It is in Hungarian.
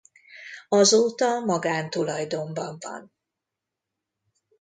Azóta magántulajdonban van.